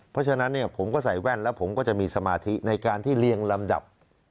เพราะฉะนั้นเนี่ยผมก็ใส่แว่นแล้วผมก็จะมีสมาธิในการที่เรียงลำดับ